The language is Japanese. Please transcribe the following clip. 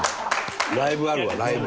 ライブあるわライブ。